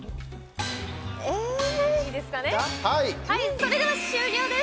それでは終了です！